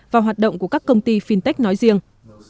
và hoạt động của các công ty fintech nói riêng